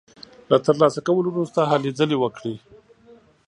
له تر لاسه کولو وروسته هلې ځلې وکړي.